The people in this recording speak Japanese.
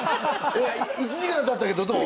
１時間たったけどどう？